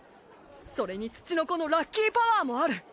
それにツチノコのラッキーパワーもある！